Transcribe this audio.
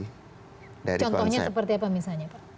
contohnya seperti apa misalnya pak